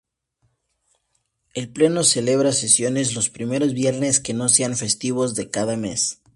El Pleno celebra sesiones los primeros viernes, que no sean festivos, de cada mes.